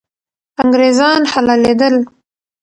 انګریزان حلالېدل.